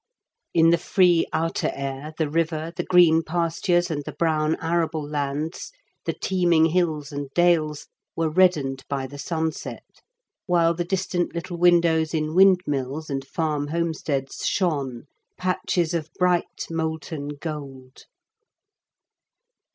In the free outer air, the river, the green pastures, and the brown arable lands, the teeming hills and dales, were reddened by the sunset ; while the distant little windows in windmills and farm home steads shone, patches of bright molten gold."